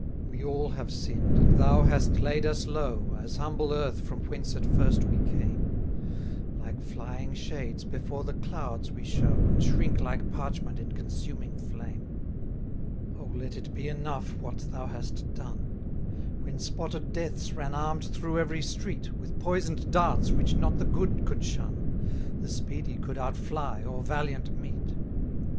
266 We all have sinn'd, and thou hast laid us low, As humble earth from whence at first we came: Like flying shades before the clouds we show, And shrink like parchment in consuming flame. 267 O let it be enough what thou hast done; When spotted Deaths ran arm'd through every street, With poison'd darts which not the good could shun, The speedy could out fly, or valiant meet.